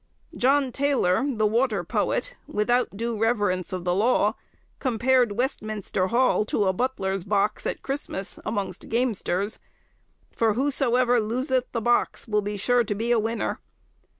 John Taylor, the water poet, without due reverence of the law, compared Westminster Hall to a butler's box, at Christmas, amongst gamesters; for whosoever loseth the box will be sure to be a winner.